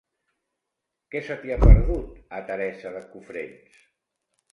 Què se t'hi ha perdut, a Teresa de Cofrents?